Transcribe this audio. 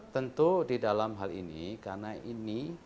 tentu di dalam hal ini karena ini